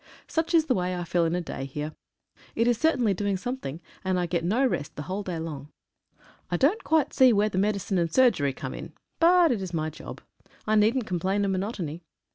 Such is the way I fill in a day here. It is certainly doing something, and I get no rest the whole day long. I don't quite see where the medi cine and surgery come in,, but it is my job. I needn't complain of monotony.